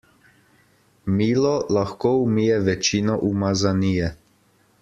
Milo lahko umije večino umazanije.